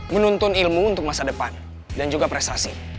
menuntun ilmu untuk masa depan dan juga prestasi